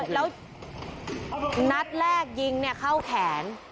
แล้อนัฏแรกยิงเนี่ยเข้าแขน